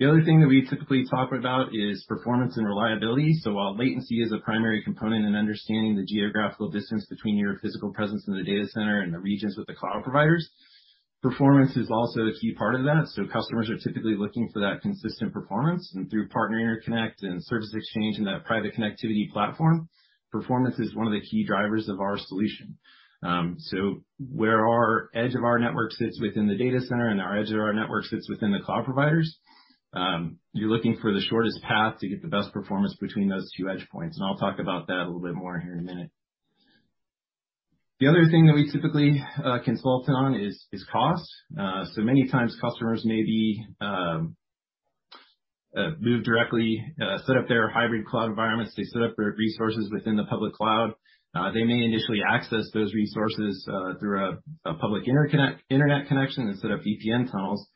The other thing that we typically talk about is performance and reliability. While latency is a primary component in understanding the geographical distance between your physical presence in the data center and the regions with the cloud providers, performance is also a key part of that. Customers are typically looking for that consistent performance. Through Partner Interconnect and Service Exchange and that private connectivity platform, performance is one of the key drivers of our solution. Where our edge of our network sits within the data center and our edge of our network sits within the cloud providers, you're looking for the shortest path to get the best performance between those two edge points, and I'll talk about that a little bit more here in a minute. The other thing that we typically consult on is cost. Many times customers maybe move directly, set up their hybrid cloud environments, they set up their resources within the public cloud. They may initially access those resources through a public internet connection instead of VPN tunnels.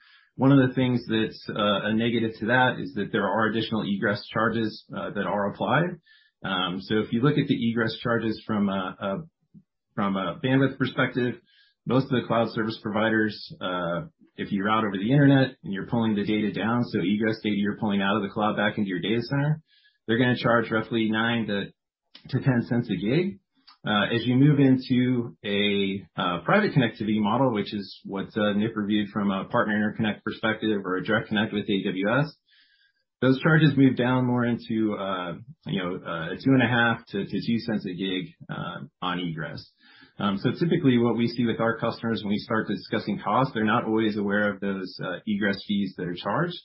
One of the things that's a negative to that is that there are additional egress charges that are applied. If you look at the egress charges from a bandwidth perspective, most of the cloud service providers, if you route over the internet and you're pulling the data down, so egress data, you're pulling out of the cloud back into your data center, they're going to charge roughly $0.09-$0.10 a gig. As you move into a private connectivity model, which is what Nick reviewed from a Partner Interconnect perspective or a Direct Connect with AWS, those charges move down more into $0.025-$0.02 a gig on egress. Typically what we see with our customers when we start discussing cost, they're not always aware of those egress fees that are charged.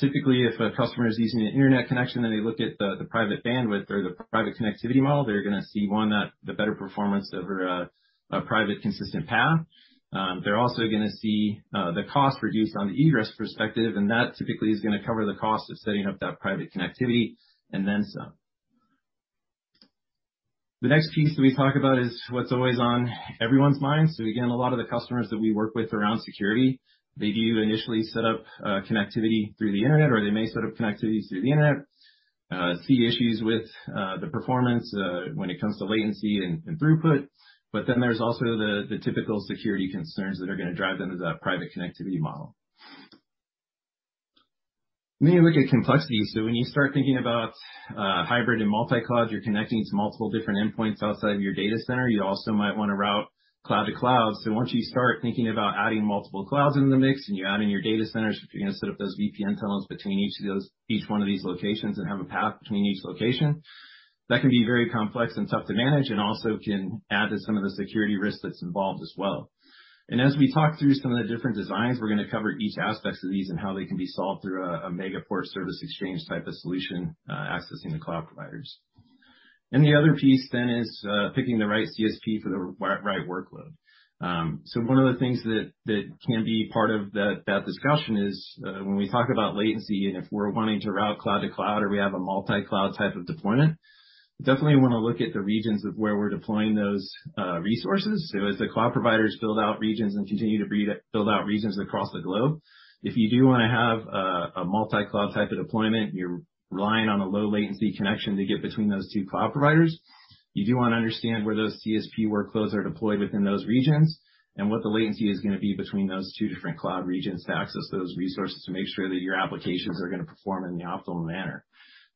Typically, if a customer is using an internet connection, then they look at the private bandwidth or the private connectivity model. They're going to see the better performance over a private consistent path. They're also going to see the cost reduced on the egress perspective, that typically is going to cover the cost of setting up that private connectivity and then some. The next piece that we talk about is what's always on everyone's mind. Again, a lot of the customers that we work with around security, they do initially set up connectivity through the internet, or they may set up connectivity through the internet, see issues with the performance when it comes to latency and throughput. There's also the typical security concerns that are going to drive them to that private connectivity model. You look at complexity. When you start thinking about hybrid and multi-cloud, you're connecting to multiple different endpoints outside of your data center. You also might want to route cloud to cloud. Once you start thinking about adding multiple clouds into the mix and you add in your data centers, if you're going to set up those VPN tunnels between each one of these locations and have a path between each location, that can be very complex and tough to manage and also can add to some of the security risks that's involved as well. As we talk through some of the different designs, we're going to cover each aspects of these and how they can be solved through a Megaport Service Exchange type of solution, accessing the cloud providers. The other piece then is picking the right CSP for the right workload. One of the things that can be part of that discussion is, when we talk about latency and if we're wanting to route cloud to cloud or we have a multi-cloud type of deployment, definitely want to look at the regions of where we're deploying those resources. As the cloud providers build out regions and continue to build out regions across the globe, if you do want to have a multi-cloud type of deployment, you're relying on a low-latency connection to get between those two cloud providers. You do want to understand where those CSP workloads are deployed within those regions and what the latency is going to be between those two different cloud regions to access those resources to make sure that your applications are going to perform in the optimal manner.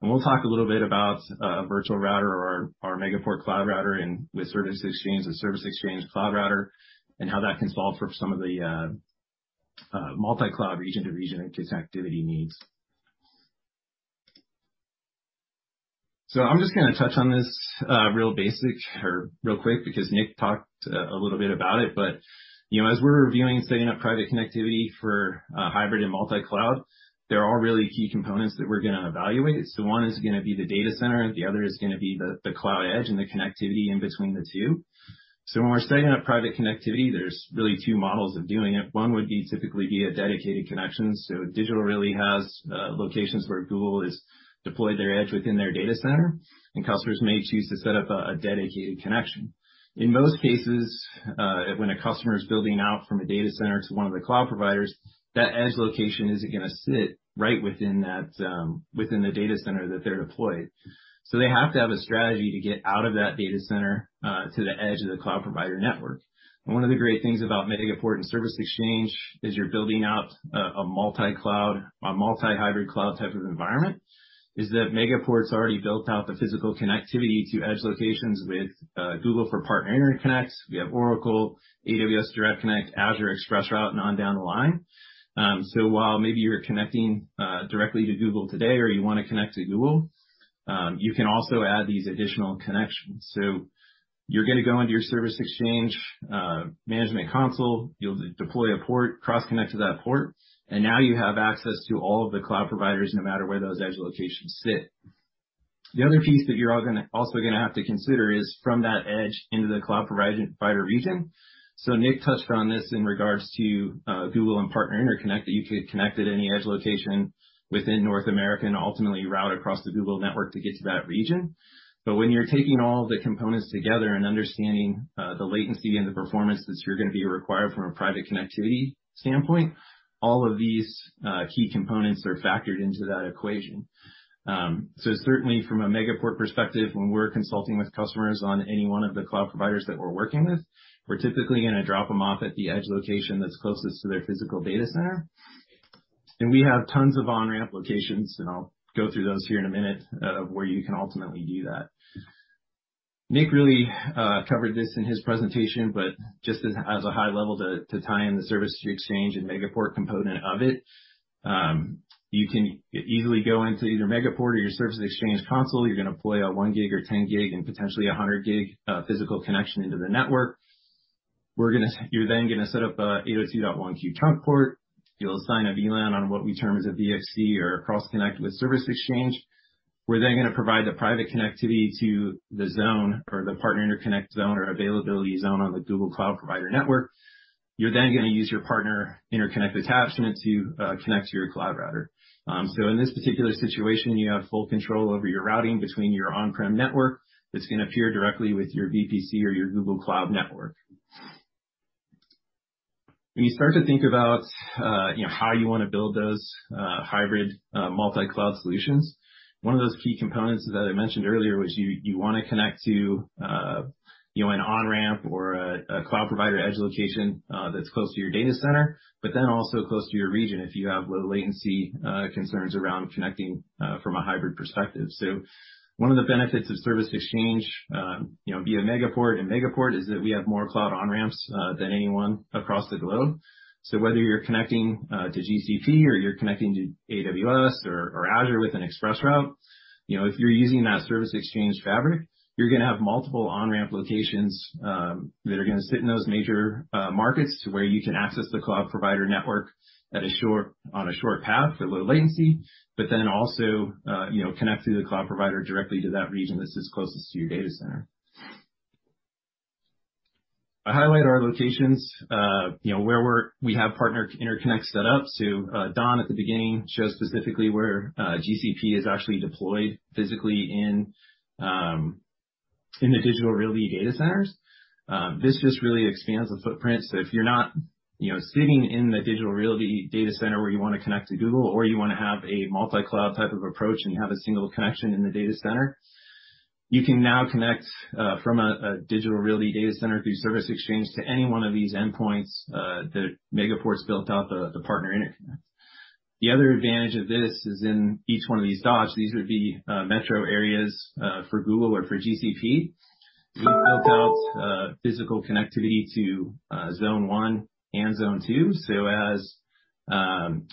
We'll talk a little bit about a virtual router or our Megaport Cloud Router with Service Exchange and Service Exchange Cloud Router, and how that can solve for some of the multi-cloud region to region and connectivity needs. I'm just going to touch on this real basic or real quick because Nick talked a little bit about it. As we're reviewing setting up private connectivity for hybrid and multi-cloud, there are really key components that we're going to evaluate. One is going to be the data center, the other is going to be the cloud edge and the connectivity in between the two. When we're setting up private connectivity, there's really two models of doing it. One would be typically via dedicated connections. Digital Realty has locations where Google has deployed their edge within their data center, and customers may choose to set up a dedicated connection. In most cases, when a customer is building out from a data center to one of the cloud providers, that edge location isn't going to sit right within the data center that they're deployed. They have to have a strategy to get out of that data center to the edge of the cloud provider network. One of the great things about Megaport and Service Exchange is you're building out a multi-cloud, a multi-hybrid cloud type of environment, is that Megaport's already built out the physical connectivity to edge locations with Google for Partner Interconnect. We have Oracle Cloud, AWS Direct Connect, Azure ExpressRoute, and on down the line. While maybe you're connecting directly to Google today or you want to connect to Google, you can also add these additional connections. You're going to go into your Service Exchange management console. You'll deploy a port, cross-connect to that port, and now you have access to all of the cloud providers, no matter where those edge locations sit. The other piece that you're also going to have to consider is from that edge into the cloud provider region. Nick touched on this in regards to Google and Partner Interconnect, that you could connect at any edge location within North America and ultimately route across the Google network to get to that region. When you're taking all the components together and understanding the latency and the performance that you're going to be required from a private connectivity standpoint, all of these key components are factored into that equation. Certainly, from a Megaport perspective, when we're consulting with customers on any one of the cloud providers that we're working with, we're typically going to drop them off at the edge location that's closest to their physical data center. We have tons of on-ramp locations, and I'll go through those here in a minute, of where you can ultimately do that. Nick really covered this in his presentation, just as a high level to tie in the Service Exchange and Megaport component of it, you can easily go into either Megaport or your Service Exchange console. You're going to deploy a 1 Gb or 10 Gb and potentially a 100 Gb physical connection into the network. You're going to set up a 802.1Q VLAN trunk port. You'll assign a VLAN on what we term as a VXC or a Virtual Cross Connect with Service Exchange. We're then going to provide the private connectivity to the zone or the Partner Interconnect zone or Edge Availability Zone on the Google Cloud provider network. You're then going to use your Partner Interconnect attachment to connect to your Cloud Router. In this particular situation, you have full control over your routing between your on-prem network that's going to peer directly with your VPC or your Google Cloud network. When you start to think about how you want to build those hybrid multi-cloud solutions, one of those key components that I mentioned earlier was you want to connect to an on-ramp or a cloud provider edge location that's close to your data center, also close to your region if you have low latency concerns around connecting from a hybrid perspective. One of the benefits of Service Exchange via Megaport, and Megaport is that we have more cloud on-ramps than anyone across the globe. Whether you're connecting to GCP or you're connecting to AWS or Azure with Azure ExpressRoute, if you're using that Service Exchange fabric, you're going to have multiple on-ramp locations that are going to sit in those major markets to where you can access the cloud provider network on a short path for low latency, but then also connect to the cloud provider directly to that region that's the closest to your data center. I highlight our locations, where we have Partner Interconnects set up. Don, at the beginning, showed specifically where GCP is actually deployed physically in the Digital Realty data centers. This just really expands the footprint. If you're not sitting in the Digital Realty data center where you want to connect to Google, or you want to have a multi-cloud type of approach, and you have a single connection in the data center, you can now connect from a Digital Realty data center through Service Exchange to any one of these endpoints that Megaport's built out the Partner Interconnect. The other advantage of this is in each one of these dots, these would be metro areas for Google or for GCP. We've built out physical connectivity to Zone 1 and Zone 2. As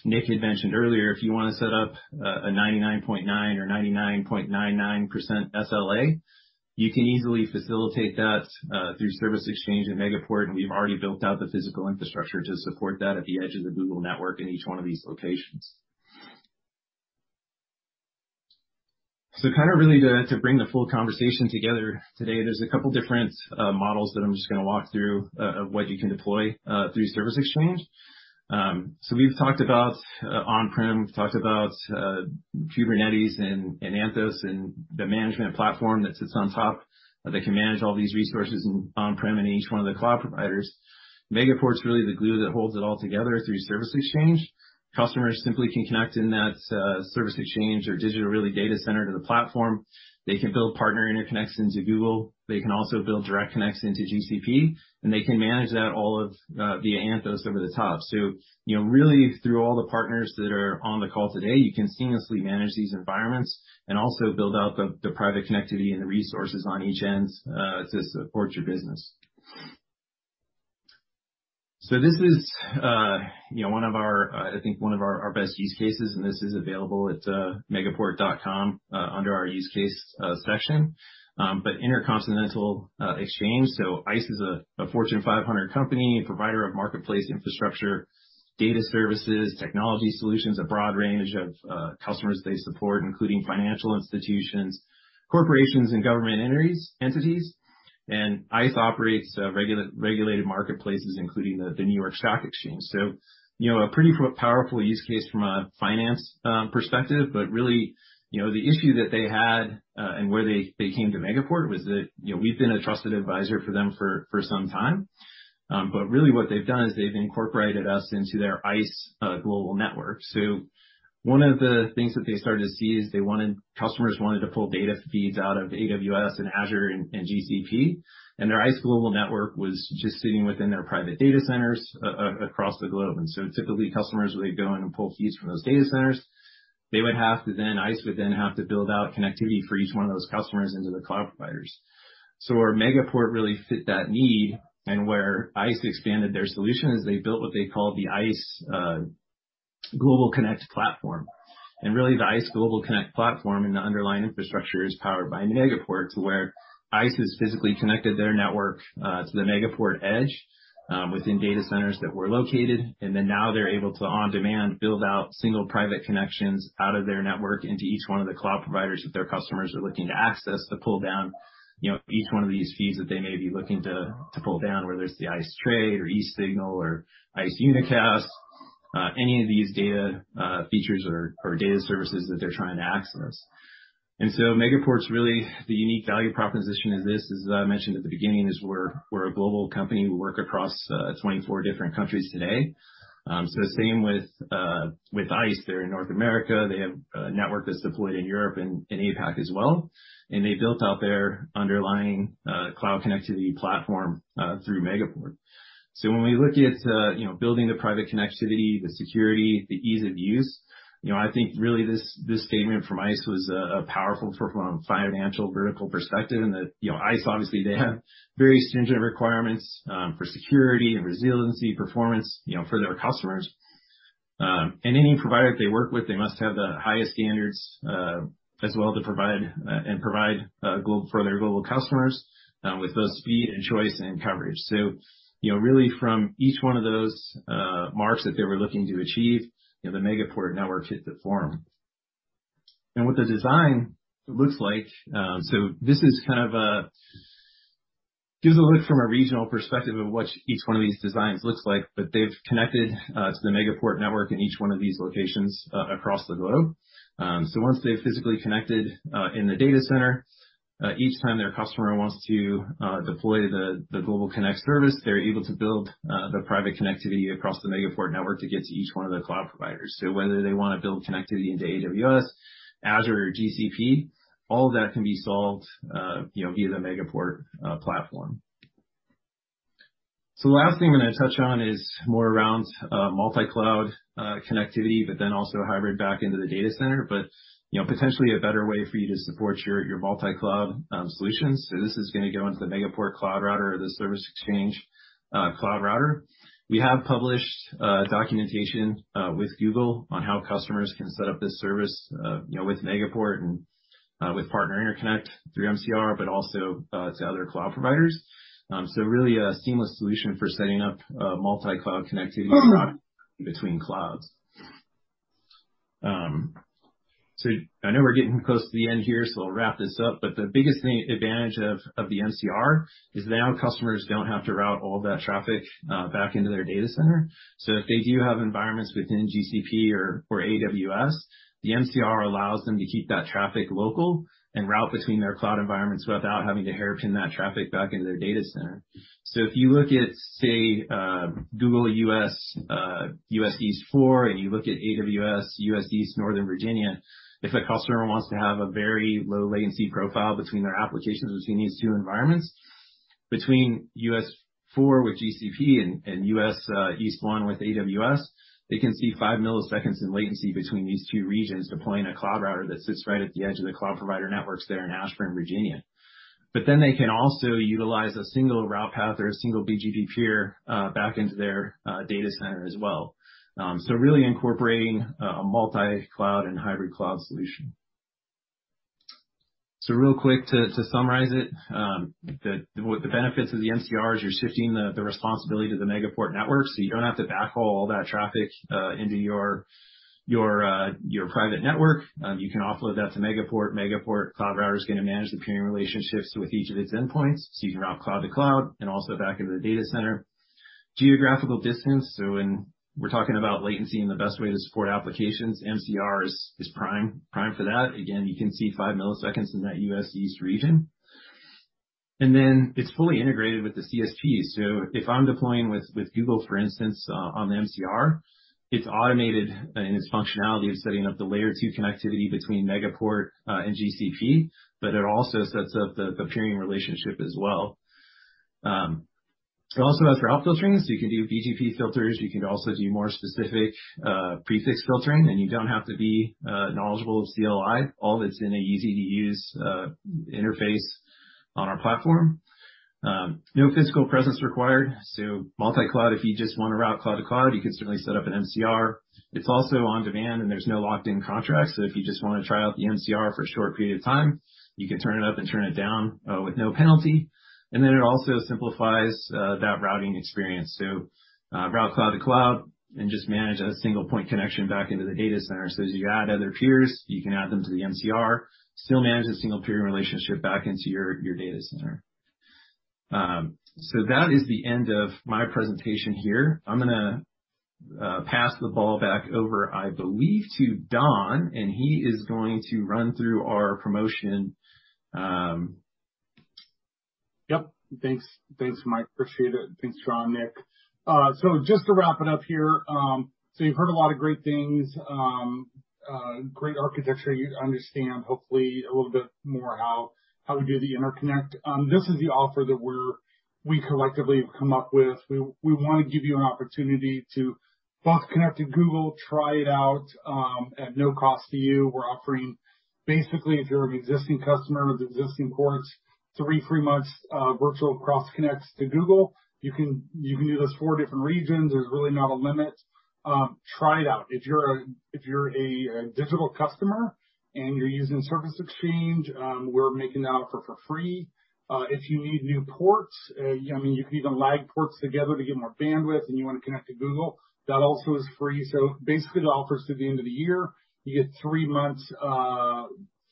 Nick had mentioned earlier, if you want to set up a 99.9% or 99.99% SLA, you can easily facilitate that through Service Exchange and Megaport, and we've already built out the physical infrastructure to support that at the edge of the Google network in each one of these locations. Really to bring the full conversation together today, there's a couple different models that I'm just going to walk through of what you can deploy through Service Exchange. We've talked about on-prem, we've talked about Kubernetes and Anthos and the management platform that sits on top that can manage all these resources on-prem in each one of the cloud providers. Megaport's really the glue that holds it all together through Service Exchange. Customers simply can connect in that Service Exchange or Digital Realty data center to the platform. They can build Partner Interconnects into Google. They can also build direct connects into GCP, and they can manage that all via Anthos over the top. Really, through all the partners that are on the call today, you can seamlessly manage these environments and also build out the private connectivity and the resources on each end to support your business. This is, I think one of our best use cases, and this is available at megaport.com under our use case section. Intercontinental Exchange, ICE is a Fortune 500 company and provider of marketplace infrastructure, data services, technology solutions, a broad range of customers they support, including financial institutions, corporations, and government entities. ICE operates regulated marketplaces, including the New York Stock Exchange. A pretty powerful use case from a finance perspective. Really, the issue that they had, and where they came to Megaport, was that we've been a trusted advisor for them for some time. Really, what they've done is they've incorporated us into their ICE Global Network. One of the things that they started to see is customers wanted to pull data feeds out of AWS and Azure and GCP, and their ICE Global Network was just sitting within their private data centers across the globe. Typically, customers would go in and pull feeds from those data centers. ICE would then have to build out connectivity for each one of those customers into the cloud providers. Megaport really fit that need, and where ICE expanded their solution is they built what they call the ICE Global Network platform. Really the ICE Global Network platform and the underlying infrastructure is powered by Megaport, to where ICE has physically connected their network to the Megaport Virtual Edge within data centers that we're located. Then now they're able to, on demand, build out single private connections out of their network into each one of the cloud providers that their customers are looking to access to pull down each one of these feeds that they may be looking to pull down, whether it's the ICE Trade or eSignal or ICE Unicast, any of these data features or data services that they're trying to access. Megaport's really the unique value proposition is this, as I mentioned at the beginning, is we're a global company. We work across 24 different countries today. Same with ICE. They're in North America. They have a network that's deployed in Europe and APAC as well, and they built out their underlying cloud connectivity platform through Megaport. When we look at building the private connectivity, the security, the ease of use, I think really this statement from ICE was powerful from a financial vertical perspective in that ICE, obviously, they have very stringent requirements for security, resiliency, performance for their customers. Any provider they work with, they must have the highest standards, as well to provide for their global customers with both speed, and choice and coverage. Really, from each one of those marks that they were looking to achieve, the Megaport network fit the form. What the design looks like, so this gives a look from a regional perspective of what each one of these designs looks like. They've connected to the Megaport network in each one of these locations across the globe. Once they've physically connected in the data center, each time their customer wants to deploy the Global Connect service, they're able to build the private connectivity across the Megaport network to get to each one of the cloud providers. Whether they want to build connectivity into AWS, Azure, or GCP, all of that can be solved via the Megaport platform. The last thing I'm going to touch on is more around multi-cloud connectivity, but then also hybrid back into the data center. Potentially a better way for you to support your multi-cloud solutions. This is going to go into the Megaport Cloud Router or the Service Exchange Cloud Router. We have published documentation with Google on how customers can set up this service with Megaport and with Partner Interconnect through MCR, but also to other cloud providers. Really, a seamless solution for setting up multi-cloud connectivity between clouds. I know we're getting close to the end here, so I'll wrap this up. The biggest advantage of the MCR is now customers don't have to route all that traffic back into their data center. If they do have environments within GCP or AWS, the MCR allows them to keep that traffic local and route between their cloud environments without having to hairpin that traffic back into their data center. If you look at, say, Google US-EAST4, and you look at AWS US East Northern Virginia, if a customer wants to have a very low latency profile between their applications between these two environments, between US-EAST4 with GCP and US-East-1 with AWS, they can see 5 ms in latency between these two regions deploying a Cloud Router that sits right at the edge of the cloud provider networks there in Ashburn, Virginia. They can also utilize a single route path or a single BGP peer back into their data center as well. Really, incorporating a multi-cloud and hybrid cloud solution. Real quick to summarize it, the benefits of the MCR is you're shifting the responsibility to the Megaport network, so you don't have to backhaul all that traffic into your private network. You can offload that to Megaport. Megaport Cloud Router is going to manage the peering relationships with each of its endpoints, so you can route cloud to cloud and also back into the data center. Geographical distance. When we're talking about latency and the best way to support applications, MCR is prime for that. Again, you can see 5 ms in that U.S. East region. It's fully integrated with the CSPs. If I'm deploying with Google, for instance, on the MCR, it's automated in its functionality of setting up the layer-two connectivity between Megaport and GCP, but it also sets up the peering relationship as well. It also has route filtering. You can do BGP filters, you can also do more specific prefix filtering, and you don't have to be knowledgeable of CLI. All of it's in a easy-to-use interface on our platform. No physical presence required. Multi-cloud, if you just want to route cloud to cloud, you can certainly set up an MCR. It's also on demand, and there's no locked-in contract. If you just want to try out the MCR for a short period of time, you can turn it up and turn it down with no penalty. It also simplifies that routing experience. Route cloud to cloud and just manage a single point connection back into the data center. As you add other peers, you can add them to the MCR, still manage a single peering relationship back into your data center. That is the end of my presentation here. I'm going to pass the ball back over, I believe, to Don, and he is going to run through our promotion. Yep. Thanks, Mike. Appreciate it. Thanks, John, Nick. Just to wrap it up here. You've heard a lot of great things, great architecture. You understand hopefully a little bit more how we do the interconnect. This is the offer that we collectively have come up with. We want to give you an opportunity to cross-connect to Google, try it out at no cost to you. We're offering basically, if you're an existing customer with existing ports, three free months virtual cross connects to Google. You can do this four different regions. There's really not a limit. Try it out. If you're a Digital customer and you're using Service Exchange, we're making that offer for free. If you need new ports, you can even LAG ports together to get more bandwidth, and you want to connect to Google, that also is free. Basically, the offer is through the end of the year. You get three months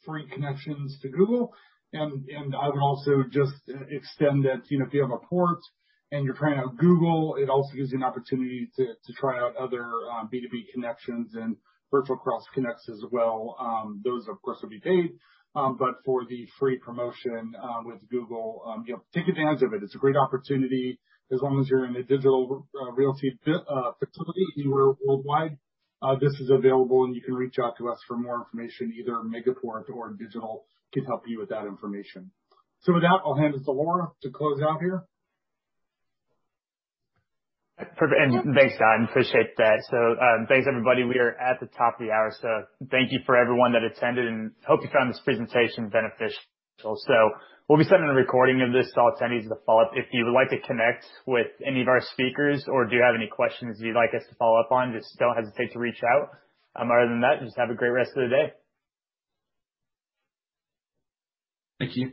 free connections to Google. I would also just extend that if you have a port and you're trying out Google, it also gives you an opportunity to try out other B2B connections and virtual cross connects as well. Those, of course, will be paid. For the free promotion with Google, take advantage of it. It's a great opportunity. As long as you're in a Digital Realty facility worldwide, this is available, and you can reach out to us for more information. Either Megaport or Digital Realty can help you with that information. With that, I'll hand it to Laura to close out here. Perfect. Thanks, Don. Appreciate that. Thanks, everybody. We are at the top of the hour, so thank you for everyone that attended and hope you found this presentation beneficial. We'll be sending a recording of this to all attendees as a follow-up. If you would like to connect with any of our speakers or do have any questions that you'd like us to follow up on, just don't hesitate to reach out. Other than that, just have a great rest of the day. Thank you.